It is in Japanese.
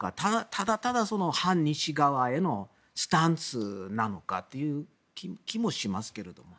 ただただ反西側へのスタンスなのかという気もしますけれども。